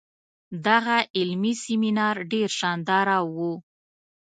دغه علمي سیمینار ډیر شانداره وو.